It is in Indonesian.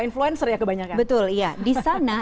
influencer ya kebanyakan betul iya disana